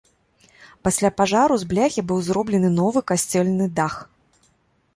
Пасля пажару з бляхі быў зроблены новы касцёльны дах.